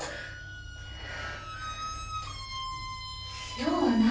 用は何？